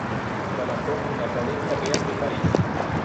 Trabajó en la Academia Real de París.